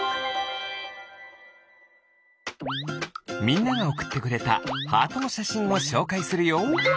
みんながおくってくれたハートのしゃしんをしょうかいするよ。